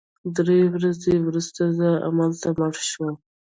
درې ورځې وروسته زه همالته مړ شوم